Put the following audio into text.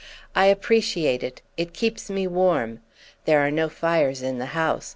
I appreciate it—it keeps me warm; there are no fires in the house.